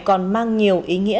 còn mang nhiều ý nghĩa